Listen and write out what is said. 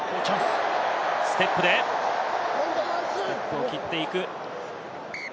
ステップで切っていく。